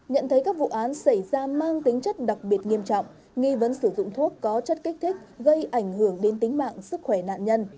nhận thấy các vụ án xảy ra mang tính chất đặc biệt nghiêm trọng nghi vấn sử dụng thuốc có chất kích thích gây ảnh hưởng đến tính mạng sức khỏe nạn nhân